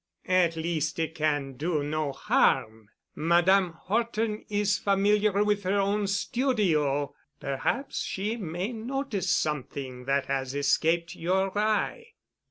"At least it can do no harm. Madame Horton is familiar with her own studio. Perhaps she may notice something that has escaped your eye."